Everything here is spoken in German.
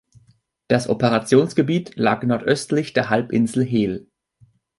Das Operationsgebiet lag nordöstlich der Halbinsel Hel.